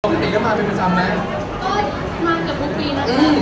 ตอนนี้ก็มาเป็นประจำไหม